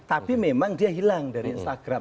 tapi memang dia hilang dari instagram